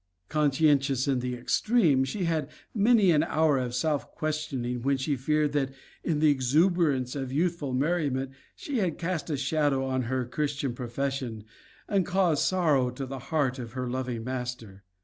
Conscientious in the extreme, she had many an hour of self questioning when she feared that, in the exuberance of youthful merriment, she had cast a shadow on her Christian profession and caused sorrow to the heart of her loving Master.